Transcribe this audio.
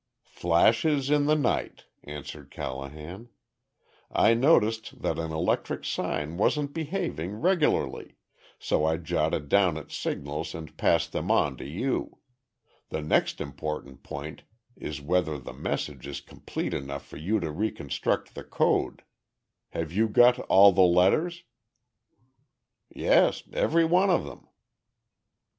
"Flashes in the night," answered Callahan. "I noticed that an electric sign wasn't behaving regularly so I jotted down its signals and passed them on to you. The next important point is whether the message is complete enough for you to reconstruct the code. Have you got all the letters?" "Yes, every one of them."